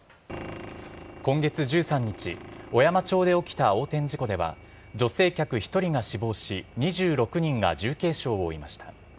今月１３日、小山町で起きた横転事故では、女性客１人が死亡し、２６人が重軽傷を負いました。